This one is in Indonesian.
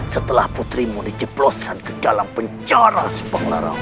setelah putrimu di jeploskan ke dalam penjara subanglarang